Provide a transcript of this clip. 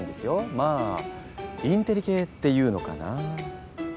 まあインテリ系っていうのかな。